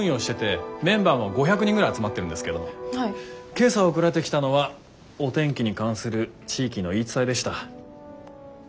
今朝送られてきたのはお天気に関する地域の言い伝えでした。